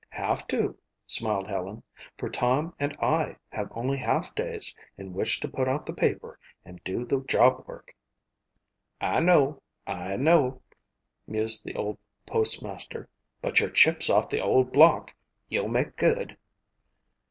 "Have to," smiled Helen, "for Tom and I have only half days in which to put out the paper and do the job work." "I know, I know," mused the old postmaster, "but you're chips off the old block. You'll make good."